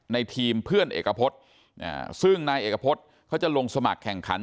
ทีมเพื่อนเอกพฤษซึ่งนายเอกพฤษเขาจะลงสมัครแข่งขัน